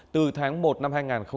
từ tháng một năm hai nghìn hai mươi một